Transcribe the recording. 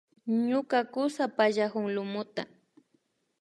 Ñuka kusa pallakun lumuta